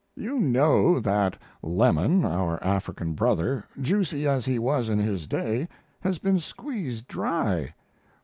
You know that lemon, our African brother, juicy as he was in his day, has been squeezed dry.